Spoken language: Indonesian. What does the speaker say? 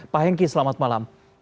pak hengki selamat malam